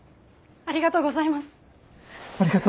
ありがとうございます。